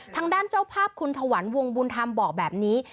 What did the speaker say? ทางด้านเจ้าภาพคุณถวันวงบุญธรรมบอกแบบนี้